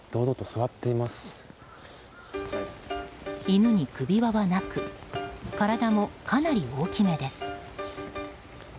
犬に首輪はなく体もかなり大きめです。